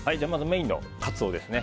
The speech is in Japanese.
メインのカツオですね。